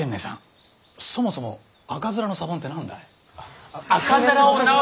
そもそも赤面のサボンって何だい？